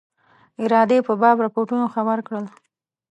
ارادې په باب رپوټونو خبر کړل.